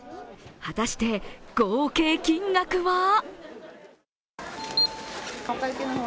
果たして合計金額は？